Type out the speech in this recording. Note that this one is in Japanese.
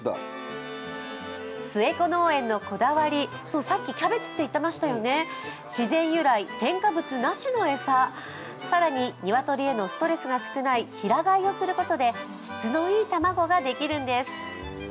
素ヱコ農園のこだわり、さっきキャベツと言ってましたよね、自然由来、添加物なしの餌、更に鶏へのストレスが少ない平飼いをすることで質のいい卵ができるんです。